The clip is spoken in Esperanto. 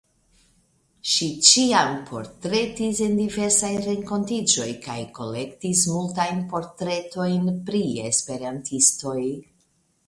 Ŝi ĉiam portretis en diversaj renkontiĝoj kaj kolektis multajn portretojn pri esperantistoj.